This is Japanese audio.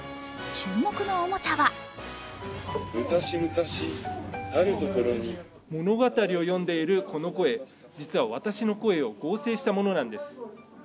注目のおもちゃは物語を読んでいるこの声、実は、私の声を合成したものなんです。